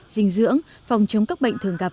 dinh dưỡng phòng chống các bệnh thường gặp